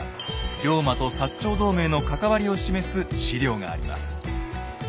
龍馬と長同盟の関わりを示す史料があります。